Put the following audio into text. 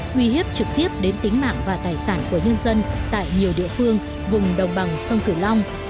uy hiếp trực tiếp đến tính mạng và tài sản của nhân dân tại nhiều địa phương vùng đồng bằng sông cửu long